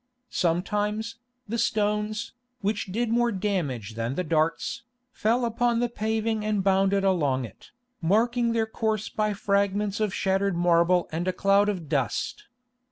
Sometimes, the stones, which did more damage than the darts, fell upon the paving and bounded along it, marking their course by fragments of shattered marble and a cloud of dust.